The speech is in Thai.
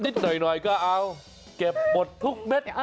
นิดหน่อยก็เอาเก็บบททุกเบ็ด